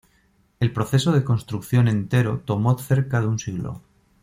El proceso de construcción entero tomó cerca de un siglo.